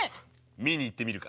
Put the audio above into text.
見に行ってみるか？